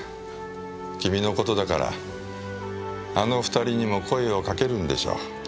君の事だからあの２人にも声を掛けるんでしょ。